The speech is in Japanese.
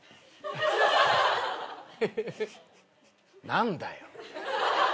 何だよ。